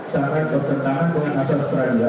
sampai tertentangan dengan asas peradilan